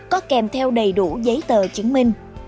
có kèm theo đầy đủ giấy tờ chứng minh